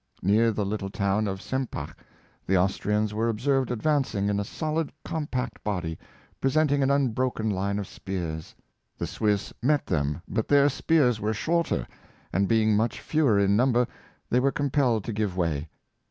Near the little town of Sempach the Austrians were observed advanc ing in a solid, compact body, presenting an unbroken line of spears. The Swiss met them, but their spears were shorter, and being much fewer in number, they were compelled to give way.